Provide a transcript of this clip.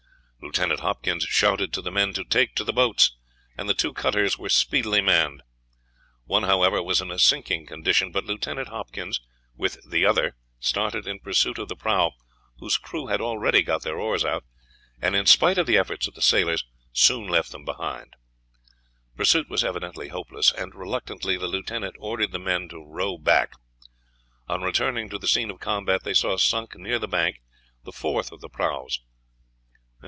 Lieutenant Hopkins shouted to the men to take to the boats, and the two cutters were speedily manned. One, however, was in a sinking condition; but Lieutenant Hopkins with the other started in pursuit of the prahu, whose crew had already got their oars out, and in spite of the efforts of the sailors, soon left them behind. Pursuit was evidently hopeless, and reluctantly the lieutenant ordered the men to row back. On returning to the scene of combat, they saw sunk near the bank the fourth of the prahus.